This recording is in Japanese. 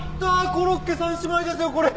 コロッケ三姉妹ですよこれ！